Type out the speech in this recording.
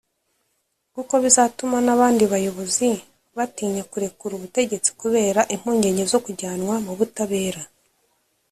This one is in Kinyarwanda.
kuko bizatuma n’abandi bayobozi badatinya kurekura ubutegetsi kubera impungenge zo kujyanwa mu butabera